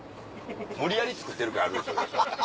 無理やりつくってる感あるでしょ。